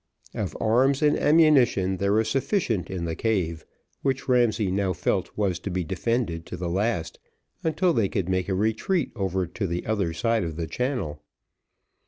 Of arms and ammunition there was sufficient in the cave, which Ramsay now felt was to be defended to the last, until they could make a retreat over to the other side of the channel.